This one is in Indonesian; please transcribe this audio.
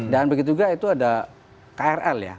dan begitu juga itu ada krl ya